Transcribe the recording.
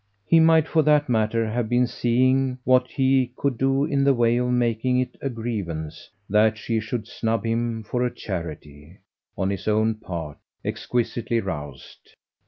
He might for that matter have been seeing what he could do in the way of making it a grievance that she should snub him for a charity, on his own part, exquisitely roused.